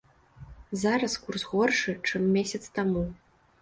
Зараз курс горшы, чым месяц таму.